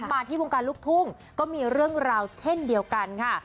มาที่วงการลูกทุ่งก็มีเรื่องราวเช่นเดียวกันค่ะ